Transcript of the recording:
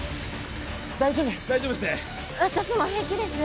大丈夫大丈夫ですね？